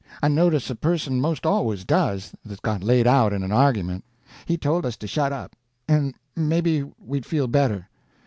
I notice a person 'most always does that's got laid out in an argument. He told us to shut up, and maybe we'd feel better.